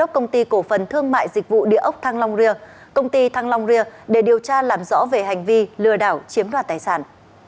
công ty thăng long ria để điều tra làm rõ về hành vi lừa đảo chiếm đoạt tài sản